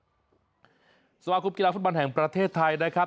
สวัสดีครูปกีฬาฝุ่นบอลแห่งประเทศไทยนะครับ